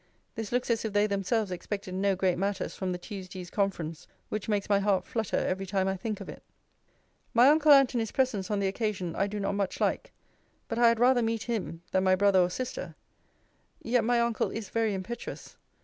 This looks as if they themselves expected no great matters from the Tuesday's conference which makes my heart flutter every time I think of it. My uncle Antony's presence on the occasion I do not much like: but I had rather meet him than my brother or sister: yet my uncle is very impetuous.